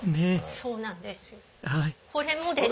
そうなんですよ。